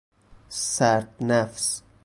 سرد نفس